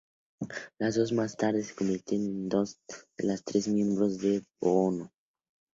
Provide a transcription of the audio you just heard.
Las dos más tarde se convirtieron en dos de las tres miembros de Buono!